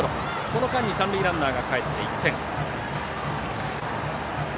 この間に三塁ランナーがかえって１点。